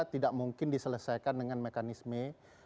tidak mungkin diselesaikan dengan mekanisme